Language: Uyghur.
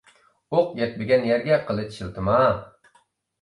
ئوق يەتمىگەن يەرگە قىلىچ شىلتىما.